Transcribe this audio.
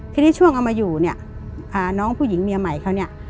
ทีนี้ช่วงเอามาอยู่เนี่ยน้องผู้หญิงเมียใหม่เขาเนี่ย